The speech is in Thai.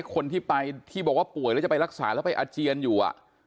คนที่ไปที่บอกว่าป่วยแล้วจะไปรักษาแล้วไปอาเจียนอยู่